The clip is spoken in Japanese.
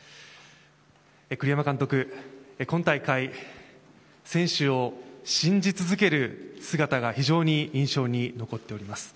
栗山監督、今大会選手を信じ続ける姿が非常に印象に残っております。